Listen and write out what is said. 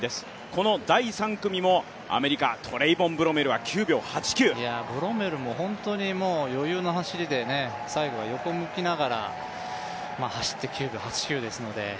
この第３組もアメリカトレイボン・ブロメルはブロメルも本当に余裕の走りで最後は横向きながら走って、９秒８９ですので。